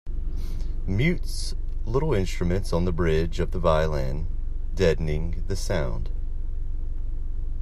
Mutes little instruments on the bridge of the violin, deadening the sound.